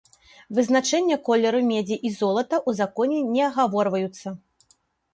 Вызначэнне колеру медзі і золата ў законе не агаворваюцца.